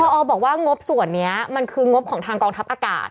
พอบอกว่างบส่วนนี้มันคืองบของทางกองทัพอากาศ